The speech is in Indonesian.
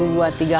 akang ke kantor ya